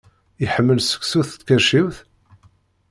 Iḥemmel seksu s tkerciwt?